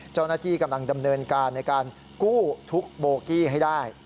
เจ้าหน้าที่กำลังดำเนินการในการกู้ทุกโบกี้ให้ได้